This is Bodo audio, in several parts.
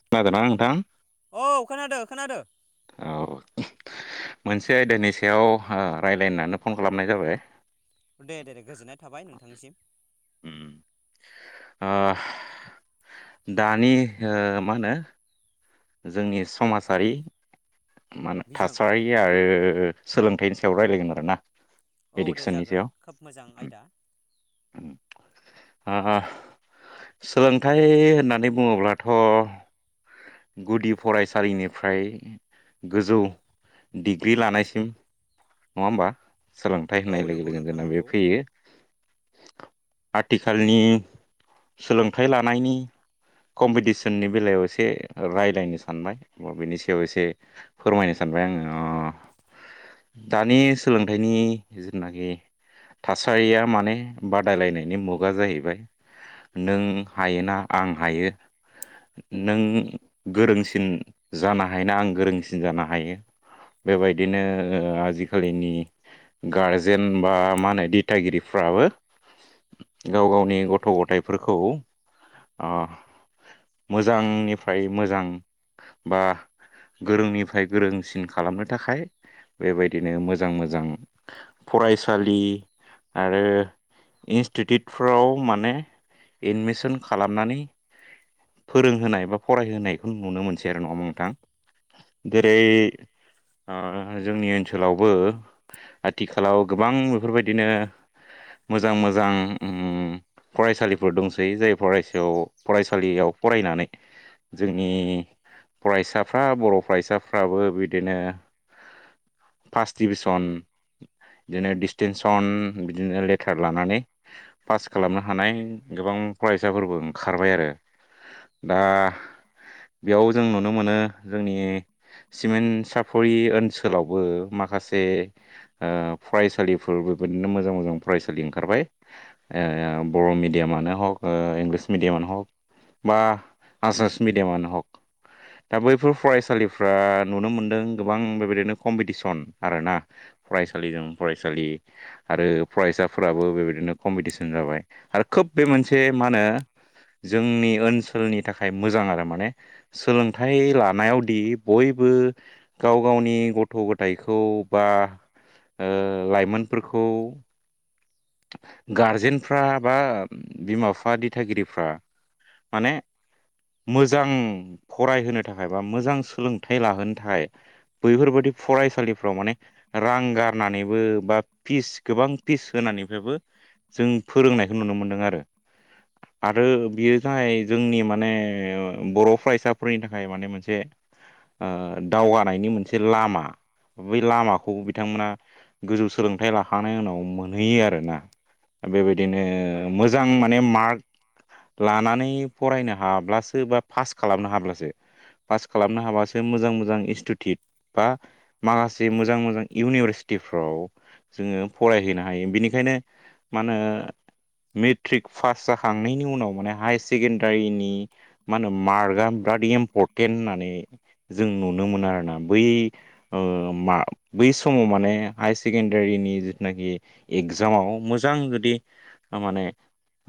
खोनादों ना नोंथां? औ खोनादो खोनादो औ मोनसे आयदानि सायाव ओ रायज्लायनानै फन खालामनाय जाबाय दे दे दे गोजोननाय थाबाय नोंथांनिसिम उन ओ दानि मा होनो? जोंनि समाजारि मान बिजों थासारि आरो सोलोंथाइनि सायाव रायज्लायगोन आरो ना औ दे जागोन खोब मोजां आयदा ओ ओ सोलोंथाइ होननानै बुङोब्लाथ' गुदि फरायसालिनिफ्राय गोजौ डिग्रि लानायसिम नङा होमबा सोलोंथाइ औ होननाय लोगो नंगौ लोगोनो नोंथां जोंना बे नंगौ फैयो। आथिखालनि सोलोंथाइ लानायनि कम्पिटिसननि बेलायाव एसे रायज्लायनो सानबाय बिनि सायाव एसे फोरमायनो सानबाय आङो। ओ दानि सोलोंथाइनि जेनाखि थासारिया माने बादायलायनायनि मुगा जाहैबाय नों हायोना आं हायो नों गोरोंसिन जानो हायोना आं गोरोंसिन जानो हायो। बेबायदिनो ओ आजिखालिनि गारजेन बा मा होनो दिथागिरिफ्राबो गाव गावनि गथ' गथायाइफोरखौ मोजांनिफ्राय मोजां बा गोरोंनिफ्राय गोरोंसिन खालामनो थाखाय बेबायदिनो मोजां मोजां फरायसालि आरो इन्स्टिटिउटफ्राव माने एडमिसन खालामनानै फोरोंहोनाय बा फरायहोनायखौ नुनो मोनसै आरो नङा नोंथां? जेरै जोंनि ओनसोलावबो आथिखालाव गोबां बेफोरबायदिनो मोजां मोजां ओ फरायसालिफोर दंसै जाय फरायसायाव फरायसायाव फरायसालियाव फरायनानै जोंनि फरायसाफ्रा बर' फरायसाफ्राबो बिदिनो फार्स्ट दिभिस'न बिदिनो डिसटेनसन बिदिनो लेटार लानानै पास खालामनो हानाय गोबां फरायसाफोरबो ओंखारबाय आरो दा बेयाव जों नुनो मोनो जोंनि सिमेन्ट साफरि ओनसोलावबो माखासे ओ फरायसालिफोर बेबायदिनो मोजां मोजां फरायसालि ओंखारबाय ओ बर' मिडियामानो हक ओ इंलिस मिडियामानो हक बा आस मिडियामानो हक दा बैफोर फरायसालिफ्रा नुनो मोनदों गोबां बेबायदिनो कम्पिटिसन आरोना फरायसालिजों फरायसालि आरो फरायसाफोराबो बेबायदिनो कम्पिटिसन जाबाय आरो खोब बे मोनसे मा होनो जोंनि ओनसोलनि थाखाय मोजां आरो माने सोलोंथाइ लानायावदि बयबो गाव गावनि गथ' गथ' गथायाइखौ बा बेबायदि ओ लाइमोनफोरखौ गारजेनफ्रा बा बिमा बिफा दिथागिरिफ्रा माने मोजां फरायहोनो थाखाय बा मोजां सोलोंथाइ लाहोनो थाखाय बैफोरबायदि फरायसालिफ्राव माने रां गारनानैबो बा पिस गोबां पिस होनानै बेफ्रायबो जों फोरोंनायखौ नुनो मोनदों आरो आरो बियो जाय जोंनि माने बर' फरायसाफोरनि थाखाय माने मोनसे ओ दावगानायनि मोनसे लामा बै लामाखौ बिथांमोना गोजौ सोलोंथाइ लाखांनायनि उनाव मोनहैयो आरो ना बेबायदिनो मोजां माने मार्क लानानै फरायनो हाब्लासो बा पास खालामनो हाब्लासो पास खालामनो हाबासो मोजां मोजां इनस्टिटिउट बा माखासे मोजां मोजां इउनिभारसिटि टिफ्राव जोङो फरायहैनो हायो बिनिखायनो मा होनो मेट्रिक पास जाखांनायनि उनाव माने हायार सेकेण्डारिनि मा होनो मार्कआ बिराद इम्परटेन्ट होननानै जों नुनो मोनो आरोना बै ओ बे समाव माने हायार सेकेणडारिनि जिथुनाखि एगजामाव मोजां जुदि माने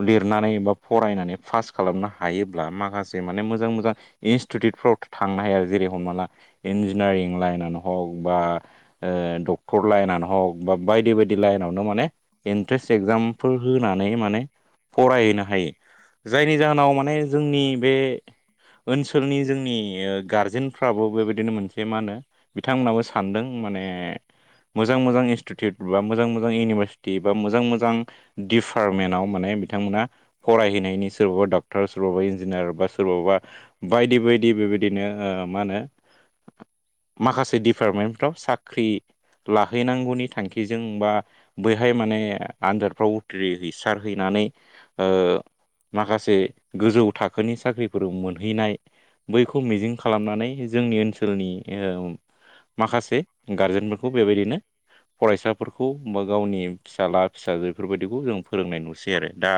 लिरनानै बा फरायनानै पास खालामनो हायोब्ला माखासे माने मोजां मोजां इनस्टिटिउट फावथ थांनो हाया जेरै हमा ला इन्जिनियारिं लाइनानो हग बा डक्टर लाइननो हक बा बायदि बायदि लाइनावनो माने इन्ट्रेन्स एक्जामफोर होनानै माने फरायहैनो हायो जायनि जाहोनाव माने जोंनि बे ओनसोलनि जोंनि गारजेनफ्राबो बेबायदिनो मोनसे मा होनो बिथांमोनाबो सानदों मोने मोजां मोजां इनस्टुतेटब्ला मोजां मोजां इउनिभारसिथि मोजां मोजां दिपार्मेनट आव बिथांमोना फरायहैनानिसो सोरबा डक्टर सोरबाबा इन्जिनियार बा सोरबाबा बायदि बायदि बेबायदिनो मा होनो [inaudible] माखासे दिडपार्टमेन्टफ्राव साख्रि लाहैनांगौनि थांखिजों बा बैहाय माने आनजादफ्राव उथ्रिहैसारहैनानै ओ माखासे गोजौ थाखोनि साख्रिफोराव मोनहैनाय बैखौ मिजिं खालामनानै जोंनि ओनसोलनिओम माखासे गारजेनफोरखौ बेबायदिनो फरायसाफोरखौ होमबा गावनि फिसाला फिसाजो बेफोरबायदिखौ जों फोरोंनाय नुसै आरो दा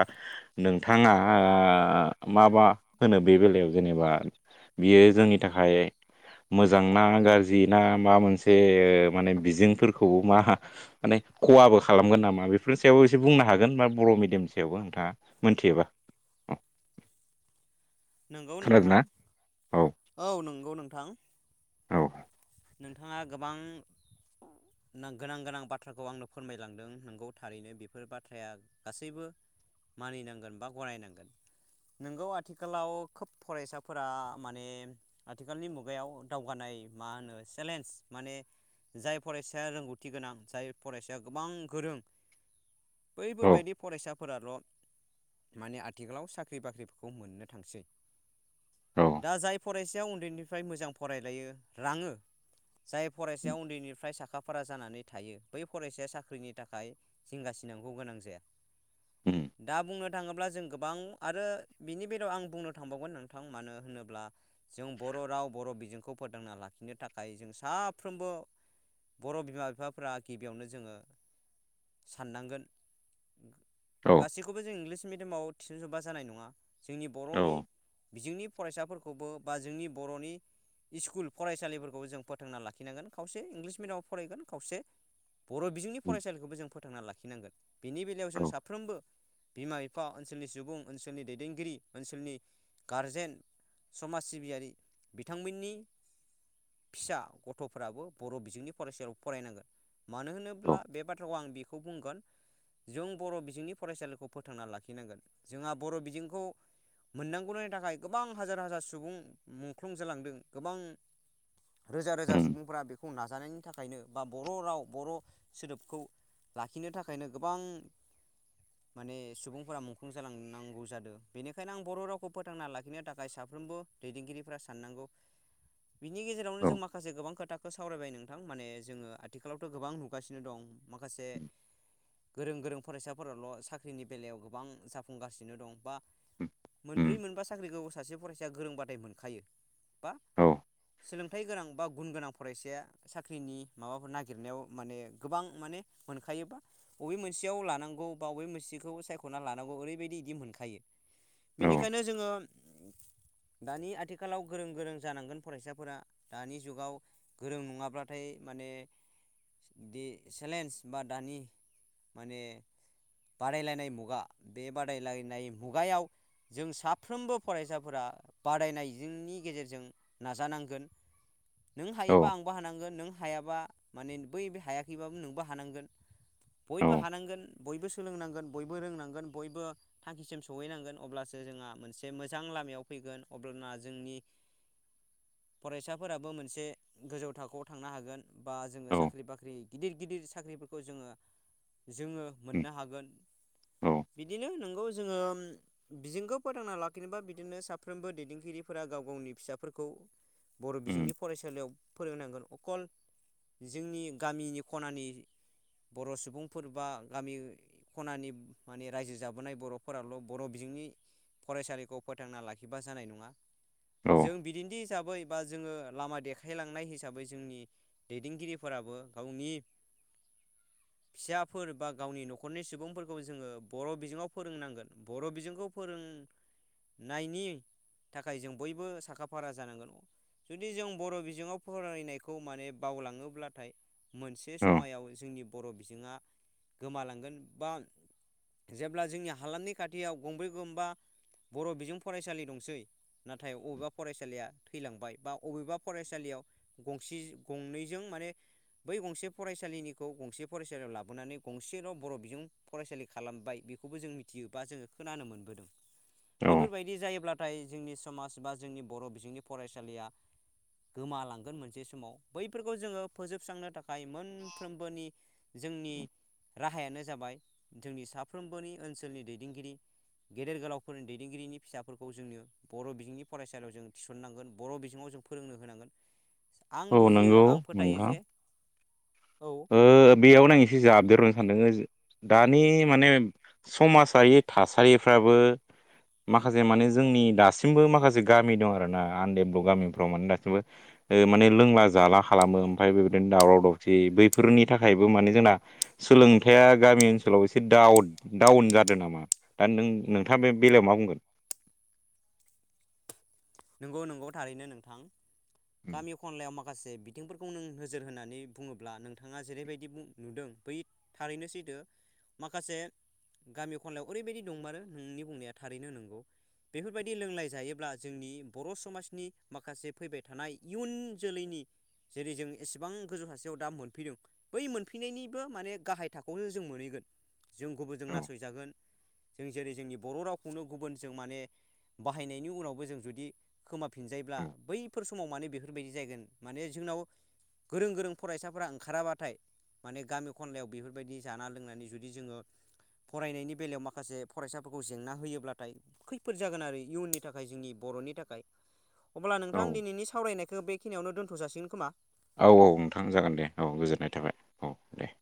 नोंथाङा आं माबा होनो बे बेलायाव जेनेबा बियो जोंनि थाखाय मोजांना गाज्रि ना मा मोनसे माने बिजोंफोरखौबो मा माने खहाबो खालामगोन नामा बेफोरनि सायावबो एसे बुंनो हागोन बा बर' मिडियामनि सायावबो नोंथाङा मोनथियोबा [inaudible] नंगौ खोनादों नोंथां ना औ औ नंगौ नोंथां औ नोंथाङा गोबां गोनां गोनां बाथ्राखौ आंनो फोरमायलांदों नंगौ थारैनो बेफोर बाथ्राया गासैबो मानिनांगोन बा गनायनांगोन नोंगौ आथिखालाव खोब फरायसाफोरा माने आथिखालनि मुगायाव दावगानाय मा होनो चेलेन्ज माने जाय फरायसाया रोंगौथि गोनां जाय फरायसाया गोबां गोरों औ बैफोरबायदि फरायसा फोराल' माने आथिखालाव साख्रि बाख्रिफोरखौ मोननो थांसै औ दा जाय फरायसाया उन्दैनिफ्राय मोजां फरायलायो राङो जाय फरायसाया उन्दैनिफ्राय साखाफारा जानानै थायो बै फरायसाया साख्रिनि थाखाय जिंगासिनांगौ गोनां जाया उम दा बुंनो थाङोब्ला जों गोबां आरो बिनि बेलायाव आं बुंनो थांबावगोन नोंथां मानो होनोब्ला जों ब र' राव बर' बिजोंखौ फोथांना लाखिनो थाखि थाखाय जों साफ्रोमबो बर' बिमा बिफाफ्रा गिबियावनो जोङो साननांगोन औ गासैखौबो जों इंलिस मिडियामाव थिसनजोबबा जानाय नङा जोंनि औ बर'नि बिजोंनि फरायसाफोरखौबो बा जोंनि बर'नि स्कुल फरायसालिफोरखौ जों फोथांना लाखिनांगोन खावसे इंलिस मिडियामाव फरायगोन खावसे बर' बिजोंनि फरायसालिखौबो जों फो थांना लाखिनांगोन बेनि बेलायाव जों साफ्रोमबो बिमा बिफा ओनसोलनि सुबुं ओनसोलनि दैदेनगिरि ओनसोलनि गारजेन समाज सिबियारि बिथांमोननि फिसा गथ'फोराबो बर' बिजोंनि फरायसालियाव फरायनांगोन। मानो होनोब्ला औ बे बाथ्राखौ आं बेखौ बुंगोन जों बर' बिजोंनि फरायसालिखौ फोथांना लाखिनांगोन जोंहा बर' बिजोंखौ मोननांगौनि थाखाय गोबां हाजार हाजार सुबुं मुंख्लं जालांदों गोबां रोजा रोजा उम सुबुंफोरा बेखौ नाजानायनि थाखायनो बा बर' राव बर' सोदोबखौ लाखिनो थाखायनो गोबां माने सुबुंफोरा मुंख्लं जालांनांगौ जादों बेनिखायनो आं बर' रावखौ फोथांना लाखिनो थाखाय सा फ्रोमबो दैदेनगिरिफ्रा साननांगौ। [inaudible] नि औ गेजेरावनो माखासे गोबां खोथाखौ सावरायबाय नोंथां माने जोङो आथिखालावथ' गोबां नुगासिनो दं माखासे गोरों गोरों फरायसाफोराल' साख्रिनि बेलायाव गोबां जाफुंगासिनो दं बा उम मोनब्रै मोनबा साख्रिखौ सासे फरायसाया गोरोंबाथाय मोनखायो बा औ सोलोंथाइ गोनां बा गुन गोनां फरायसाया साख्रिनि माबाफोर नागिरनायाव माने गोबां माने मोनखायोबा बबे मोनसेयाव लानांगौ बा बबे मोनसेखौ सायख'ना लानांगौ ओरैबायदि इदि मोनखायो। औ बेनिखायनो जोङो दानि आथिखालाव गोरों गोरों जानांगोन फरायसा फोरा दानि जुगाव गोरों नङाब्लाथाय माने बिदि चेलेन्ज बा दानि माने बादायलायनाय मुगा बे बादायलायनाय मुगायाव जों साफ्रोमबो फरायसाफोरा बादायनायजोंनि गेजेरजों नाजानां गोन नों औ हायोबा आंबो हानांगोन नों हायाबा माने बै हायाखैबाबो नोंबो हानांगोन। औ बयबो हानांगोन बयबो सोलोंनांगोन बयबो रोंनांगोन बयबो थांखिसिम सहैनांगोन अब्लासो जोंहा मोनसे मोजां लामायाव फैगोन अब्लाना जोंनि [inaudible] फरायसाफोराबो मोनसे गोजौ थाखोआव थांनो हागोन बा जोङो औ साख्रि बाख्रि गिदिर गिदिर साख्रिफोरखौ जोङो जोङो उम, मोननो हागोन। औ बिदिनो नों गौ जोङो बिजोंखौ फोथांना लाखिनोबा बिदिनो साफ्रोमबो दैदेनगिरिफोरा गाव गावनि फिसाफोरखौ बर' बिजोंनि उम, फरायसालियाव फोरोंनांगोन अखल जोंनि गामिनि खनानि बर' सुबुंफोर बा गामि खनानि माने रायजो जाबोनाय बर'फोराल' बर' बिजोंनि फरासालिखौ फोथांना लाखिबा जानाय ना औ जों बिदिन्थि हिसाबै बा जोङो लामा देखायलांनाय हिसाबै जोंनि दैदेनगिरिफोराबो गावनि [inaudible] फिसाफोर बा गावनि न'खरनि सुबुंफोरखौ जोङो बर' बिजोङाव फोरोंनांगोन बर' बिजोंखौ फोरों [inaudible] नायनि थाखाय जों बयबो साखा फारा जानांगोन। जुदि जों बर' बिजोङाव फरायनायखौ माने बावलाङोब्लाथाय मोनसे औ समायाव जोंनि बर' बिजोङा गोमालांगोन बा जेब्ला जोंनि हालामनि खाथियाव गंब्रै गंबा बर' बिजों फरायसालि दंसै नाथाय बबेबा फरायसालिया थैलांबाय बा अबेबा फरायसालियाव गंसे गंनैजों माने बै गंसे फरायसालिनिखौ गंसे फरायसालियाव लाबोनानै गंसेल' बर' बिजों फरायसालि खालामबाय। बेखौबो जों मिथियोबा जोङो खोनानो मोनबोदों। औ बेफोरबायदि जायोब्लाथाय जोंनि समाज बा जोंनि बर' बिजोंनि फरायसालिया गोमालांगोन मोनसे समाव बैफोरखौ जोङो फोजोबस्रांनो थाखाय मोनफ्रोमबोनि जोंनि राहायानो जाबाय जोंनि साफ्रोमबोनि ओनसोलनि दैदेनगिरि। गेदेर गोलावफोरनि दैदेनगिरिनि फिसाफोरखौ जोंनो बर' बिजोंनि फरायसालियाव जों थि सननांगोन बर' बिजोङाव जों फोरोंनो होनांगोन आं औ बुजियो नंगौ आं फोथायो नोंथां जे औ ओ बेयावनो आं एसे जाबदेरनो सानदों दानि माने समाजारि थासारिफ्राबो माखासे माने जोंनि दासिमबो माखासे गामि दं आरोना आनडेभलप गामिफ्राव माने दासिमबो। ओ माने लोंला जाला खालामो ओमफ्राय बेबायदिनो दावराव दावसि बै फोरनि थाखायबो माने जोंना सोलोंथाइया गामि ओनसोलाव एसे दाउद डाउन जादों नामा? दा नों-नोंथाङा बे बेलायाव मा बुंगोन? नंगौ नंगौ थारैनो नोंथां उम, गामि खनलायाव माख माखासे बिथिंफोरखौ नों नोजोर होनानै बुङोब्ला नोंथाङा जेरैबायदि बुं नुदों बै थारैनो सै थो माखासे गामि खनलायाव ओरैबायदि दंमारो नोंनि बुंनाया थारैनो नंगौ। बेफोरबायदि लोंलाय जायोब्ला जोंनि बर' समाजनि माखासे फैबाय थानाय इयुन जोलैनि जेरै जों एसेबां गोजौ थासेयाव दा मोनफैदों बै मोनफैनायनिबो माने गाहाय थाखोआवनो जों मोनहैगोन। जों गुबुनजों औ नासयजागोन। जों जेरै जोंनि बर' रावखौनो गुबुन जों माने बाहायनायनि उनावबो जों जुदि खोमाफिनजायोब्ला औ बैफोर समाव माने बेफोरबायदि जायैगोन माने जोंनाव। गोरों-गोरों फरायसाफोरा ओंखाराबाथाय माने गामि खनलायाव बेफोरबायदि जाना लोंनानै जुदि जोङो फरायनायनि बेलायाव माखासे फरायसाफोरखौ जेंना होयोब्लाथाय खैफोद जागोन आरो इयुननि थाखाय जोंनि ब बर'नि थाखाय। अब्ला नोंथां औ दिनैनि सावरायनायखौ बेखिनियावनो दोन्थ' जासिगोन खोमा। औ औ नोंथां जागोन दे औ गोजोननाय थाबाय औ दे।